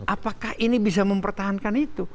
apakah ini bisa mempertahankan itu